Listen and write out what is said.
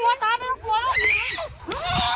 ซื้อขันงั้ย